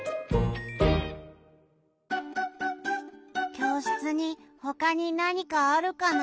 きょうしつにほかになにかあるかな？